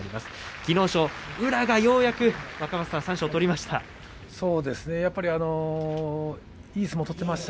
技能賞、宇良がようやく三賞を取りました。